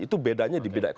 itu bedanya di bidang ekonomi